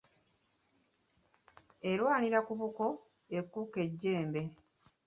Erwanira ku buko, ekuuka ejjembe.